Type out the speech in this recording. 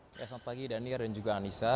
selamat pagi daniar dan juga anissa